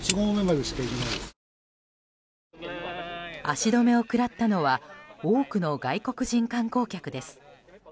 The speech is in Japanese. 足止めを食らったのは多くの外国人観光客です。